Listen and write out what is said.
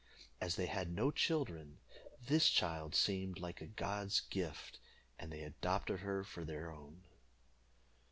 As they had no children, this child seemed like a God's gift, and they adopted her for their own.